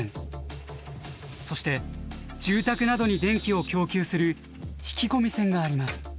そして住宅などに電気を供給する引き込み線があります。